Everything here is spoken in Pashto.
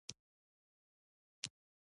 هغه په پيل کې خورا خوشحاله و.